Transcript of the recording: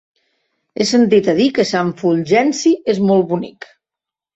He sentit a dir que Sant Fulgenci és molt bonic.